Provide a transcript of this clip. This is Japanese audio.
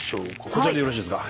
こちらでよろしいですか？